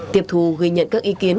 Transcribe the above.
tiệp thù ghi nhận các ý kiến